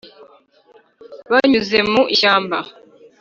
- banyuze mu ishyamba.